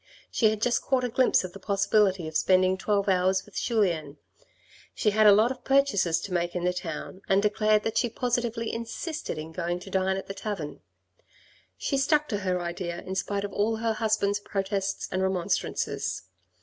She had just caught a glimpse of the possibility of spending twelve hours with Julien. She had a lot of purchases to make in the town and declared that she positively insisted in going to dine at the tavern. She stuck to her idea in spite of all her husband's protests and remonstrances.